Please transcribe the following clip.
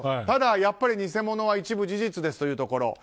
ただ、やっぱり偽物は一部事実ですというところ。